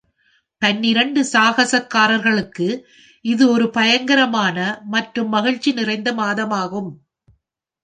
பன்னிரண்டு சாகசக்காரர்களுக்கு இது ஒரு பயங்கரமான மற்றும் மகிழ்ச்சி நிறைந்த மாதமாகும்.